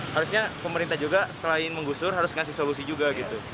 harusnya pemerintah juga selain menggusur harus memberikan solusi juga